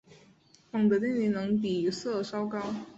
钫的电离能比铯稍高。